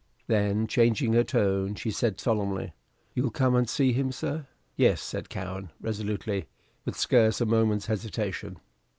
Then, changing her tone, she said, solemnly, "You'll come and see him, sir?" "Yes," said Cowen, resolutely, with scarce a moment's hesitation.